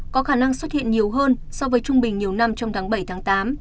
có khả năng xuất hiện nhiều hơn so với trung bình nhiều năm trong tháng bảy tám